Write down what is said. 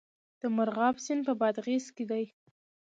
د مرغاب سیند په بادغیس کې دی